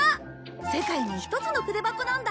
世界に一つの筆箱なんだ。